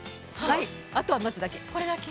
あとは待つだけ。